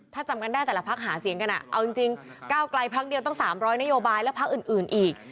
ถ้าจำกันได้แต่ละพักหาเสียงกันเอาจริงก้าวไกลพักเดียวตั้ง๓๐๐นโยบายและพักอื่นอีก